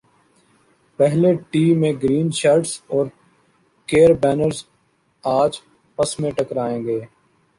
پہلے ٹی میں green shirts اور کیربیئنز اج پس میں ٹکرائیں گے